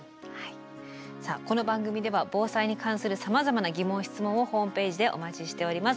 さあこの番組では防災に関するさまざまな疑問・質問をホームページでお待ちしております。